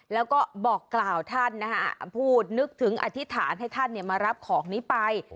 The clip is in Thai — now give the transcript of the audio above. แล้วก็บอกกล่าวท่านนะฮะพูดนึกถึงอธิษฐานให้ท่านมารับของนี้ไป